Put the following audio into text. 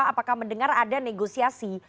apakah mendengar ada negosiasi